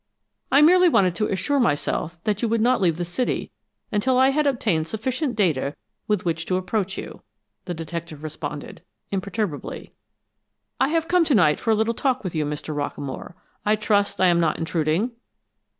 "I merely wanted to assure myself that you would not leave the city until I had obtained sufficient data with which to approach you," the detective responded, imperturbably. "I have come to night for a little talk with you, Mr. Rockamore. I trust I am not intruding?"